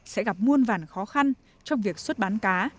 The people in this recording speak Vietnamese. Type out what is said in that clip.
sẽ gặp muôn vàn khó khăn trong việc xuất bán cá